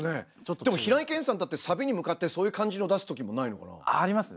でも平井堅さんだってサビに向かってそういう感じのを出すときもないのかな？ありますね。